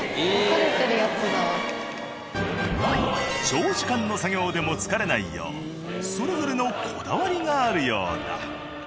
長時間の作業でも疲れないようそれぞれのこだわりがあるようだ。